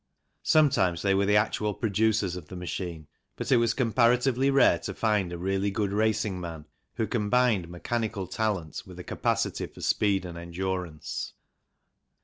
Sometimes they were the actual producers of the machine, but it was comparatively rare to find a really good racing man who combined mechanical talent with a capacity for speed and endurance.